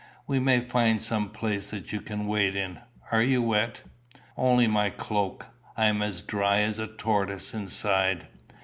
We may find some place that you can wait in. Are you wet?" "Only my cloak. I am as dry as a tortoise inside."